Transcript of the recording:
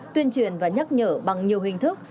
tuyên truyền và nhắc nhở bằng nhiều hình thức